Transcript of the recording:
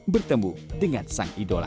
bertemu dengan sang idola